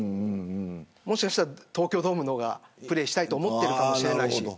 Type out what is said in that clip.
もしかしたら東京ドームでプレーしたいと思っているかもしれないし。